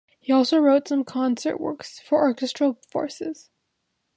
He also wrote some concert works for orchestral forces.